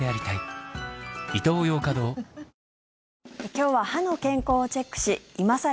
今日は歯の健康をチェックし今更